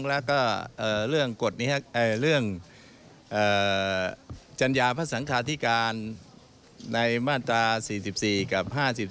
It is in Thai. และก็เรื่องจัญญาพระสังฆาติการในมาตรา๔๔กับ๕๔